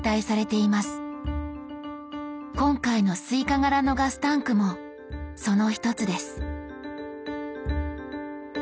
今回のスイカ柄のガスタンクもその一つです。